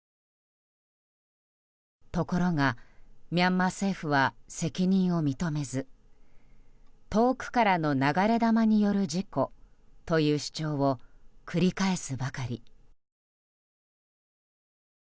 ところが、ミャンマー政府は責任を認めず遠くからの流れ弾による事故という主張を繰り返すばかり。